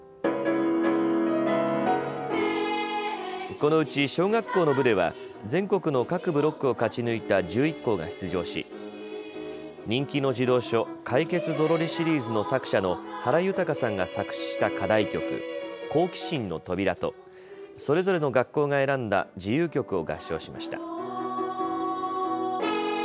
このうち小学校の部では全国の各ブロックを勝ち抜いた１１校が出場し人気の児童書、かいけつゾロリシリーズの作者の原ゆたかさんが作詞した課題曲、好奇心のとびらとそれぞれの学校が選んだ自由曲を合唱しました。